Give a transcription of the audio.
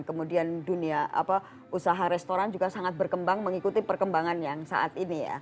kemudian dunia usaha restoran juga sangat berkembang mengikuti perkembangan yang saat ini ya